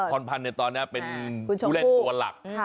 คนพันธ์ในตอนนี้เป็นวูเลตตัวหลัก